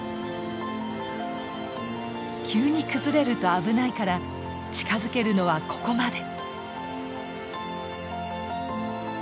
急に崩れると危ないから近づけるのはここまで。